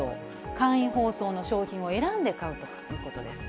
簡易包装の商品を選んで買うということです。